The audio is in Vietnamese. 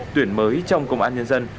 tuyển mới trong công an nhân dân